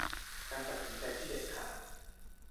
การตัดสินใจที่เด็ดขาด